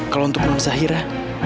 kalau untuk nonzahira